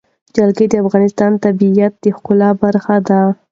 جلګه د افغانستان د طبیعت د ښکلا برخه ده.